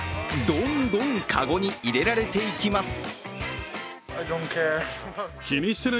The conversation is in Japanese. どんどんかごに入れられていきます。